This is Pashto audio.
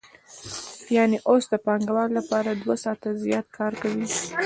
یانې اوس د پانګوال لپاره دوه ساعته زیات کار کوي